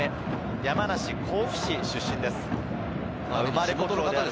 山梨県甲府市出身です。